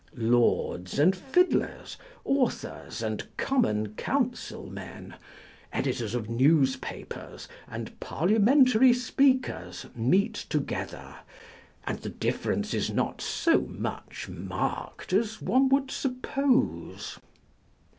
Lords and fiddlers, authors and common councilmen, editors of newspapers and parliamentary speakers meet together, and the difference is not so much marked as one would suppose.